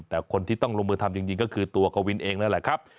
แต่คนที่ต้องลงมือทำจริงก็คือตัวกวินเองนั่นแหละครับ